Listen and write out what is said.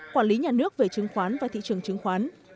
quản lý nhà nước về chứng khoán và thị trường chứng khoán